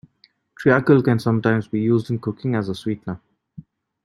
Treacle can sometimes be used in cooking as a sweetener